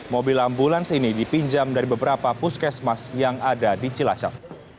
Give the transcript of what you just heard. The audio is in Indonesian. mobil ambulans ini dipinjam dari beberapa puskesmas yang ada di cilacap